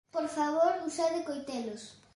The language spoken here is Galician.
Por favor, usade coitelos.